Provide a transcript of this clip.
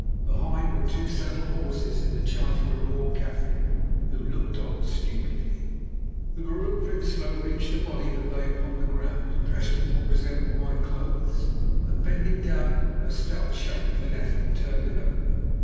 Behind were two saddled horses in the charge of a raw Kaffir, who looked on stupidly. The Vrouw Prinsloo reached the body that lay upon the ground dressed in what resembled my clothes, and bending down her stout shape with an effort, turned it over.